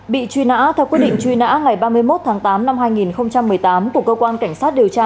bị truy nã theo quyết định truy nã ngày ba mươi một tháng tám năm hai nghìn một mươi tám của cơ quan cảnh sát điều tra